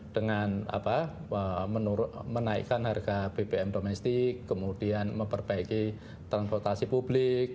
dengan menaikkan harga bbm domestik kemudian memperbaiki transportasi publik